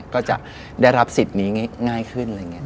ก็จะได้รับสิทธิ์นี้ง่ายขึ้น